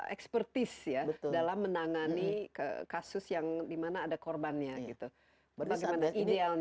expertise ya dalam menangani kasus yang dimana ada korbannya gitu bagaimana idealnya jadi satgas ini